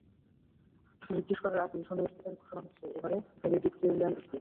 কিছু জিজ্ঞেস করার আগেই শোনে স্পিকারে ঘোষণা হচ্ছে, এবারে ভ্যালেডিক্টোরিয়ান স্পিচ।